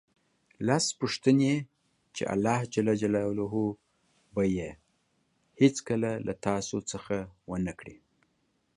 لس پوښتنې چې الله ج به یې هېڅکله له تاسو څخه ونه کړي